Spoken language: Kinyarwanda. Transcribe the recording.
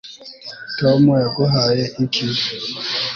tom yaguhaye iki